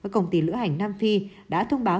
công ty lữ hành nam phi đã thông báo